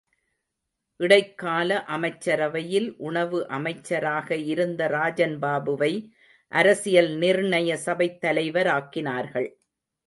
இடைக்கால அமைச்சரவையில் உணவு அமைச்சராக இருந்த ராஜன்பாபுவை அரசியல் நிர்ணய சபைத் தலைவராக்கினார்கள்.